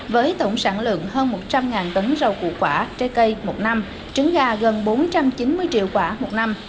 với tổng sản lượng hơn một trăm linh tấn rau củ quả trái cây một năm trứng gà gần bốn trăm chín mươi triệu quả một năm